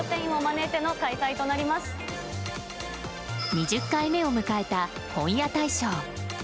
２０回目を迎えた本屋大賞。